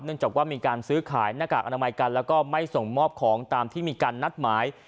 จากว่ามีการซื้อขายหน้ากากอนามัยกันแล้วก็ไม่ส่งมอบของตามที่มีการนัดหมาย